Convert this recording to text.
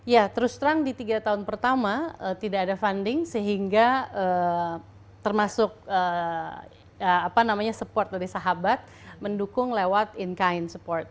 ya terus terang di tiga tahun pertama tidak ada funding sehingga termasuk support dari sahabat mendukung lewat in kine support